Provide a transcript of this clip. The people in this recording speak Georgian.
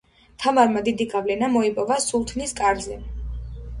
თამარმა დიდი გავლენა მოიპოვა სულთნის კარზე.